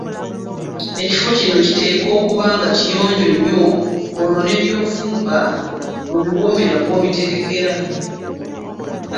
Ekifo kino kiteekwa okuba nga kiyonjo nnyo olwo ne byofumba lwe biwoomera b‘obitegekera.